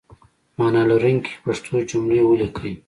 معنی لرونکي پښتو جملې ولیکئ!